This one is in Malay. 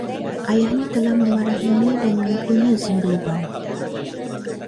Ayahnya telah memarahinya dan memukulnya sehingga lebam